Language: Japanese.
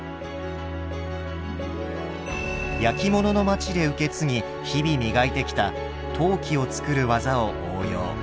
焼き物の町で受け継ぎ日々磨いてきた陶器を作る技を応用。